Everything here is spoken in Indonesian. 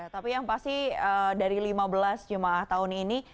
tapi yang pasti dari lima belas jemaah tahun ini